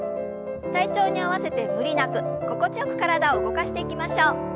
体調に合わせて無理なく心地よく体を動かしていきましょう。